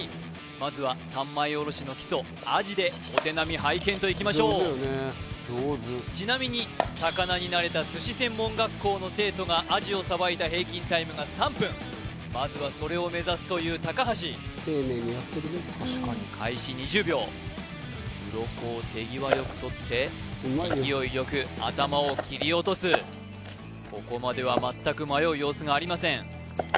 まずは三枚おろしの基礎アジでお手並み拝見といきましょうちなみに魚に慣れた寿司専門学校の生徒がアジをさばいた平均タイムが３分まずはそれを目指すという高橋開始２０秒ウロコを手際よく取って勢いよく頭を切り落とすここまでは全く迷う様子がありません